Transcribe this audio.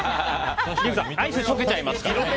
アイス溶けちゃいます！